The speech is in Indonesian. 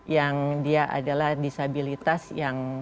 yang dia adalah disabilitas yang